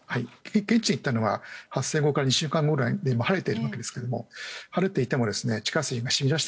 現地に行ったのは発生後から２週間後くらいで晴れてるわけですけども晴れていてもですね。